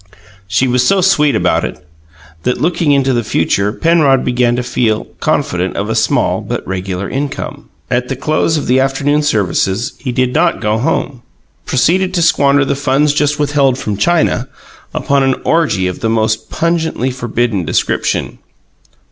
She was so sweet about it that, looking into the future, Penrod began to feel confident of a small but regular income. At the close of the afternoon services he did not go home, but proceeded to squander the funds just withheld from China upon an orgy of the most pungently forbidden description.